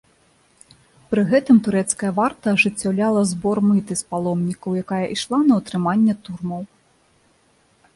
Пры гэтым турэцкая варта ажыццяўляла збор мыты з паломнікаў, якая ішла на ўтрыманне турмаў.